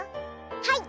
はい。